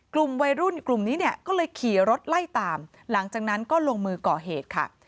กลุ่มวัยรุ่นกลุ่มนี้เนี่ยก็เลยขี่รถไล่ตามหลังจากนั้นก็ลงมือก่อเหตุค่ะ